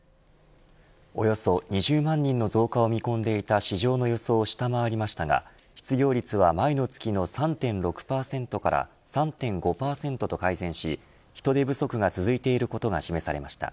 およそ２０万人の増加を見込んでいた市場の予想を下回りましたが失業率は前の月の３．６％から３．５％と改善し人手不足が続いていることが示されました。